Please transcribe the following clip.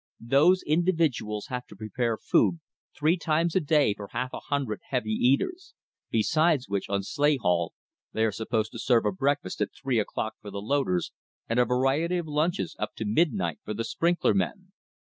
Those individuals have to prepare food three times a day for a half hundred heavy eaters; besides which, on sleigh haul, they are supposed to serve a breakfast at three o'clock for the loaders and a variety of lunches up to midnight for the sprinkler men.